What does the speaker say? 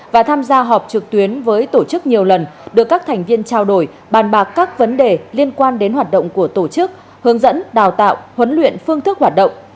và tham gia họp trực tuyến với tổ chức nhiều lần được các thành viên trao đổi bàn bạc các vấn đề liên quan đến hoạt động của tổ chức hướng dẫn đào tạo huấn luyện phương thức hoạt động